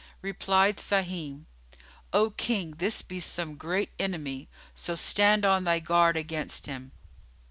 Replied Sahim, "O King, this be some great enemy; so stand on thy guard against him."